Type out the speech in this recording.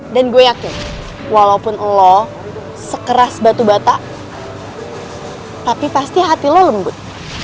dan gue yakin walaupun lo sekeras batu bata tapi pasti hati lo lembut